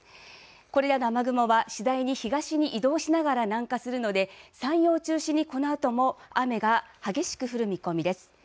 これらの雨雲は次第に東に移動しながら南下するので山陽を中心に、このあとも雨が激しく降る見込みです。